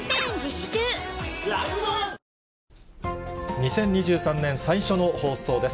２０２３年、最初の放送です。